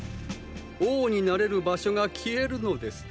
王になれる場所が消えるのです。